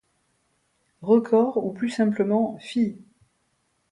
Records ou plus simplement Fie!